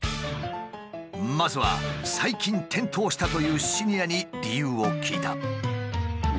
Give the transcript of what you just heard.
まずは最近転倒したというシニアに理由を聞いた。